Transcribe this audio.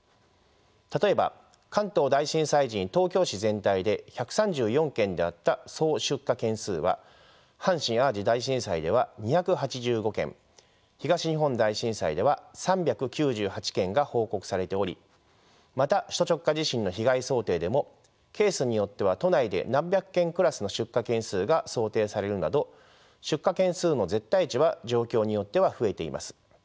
例えば関東大震災時に東京市全体で１３４件であった総出火件数は阪神・淡路大震災では２８５件東日本大震災では３９８件が報告されておりまた首都直下地震の被害想定でもケースによっては都内で何百件クラスの出火件数が想定されるなど出火件数の絶対値は状況によっては増えています。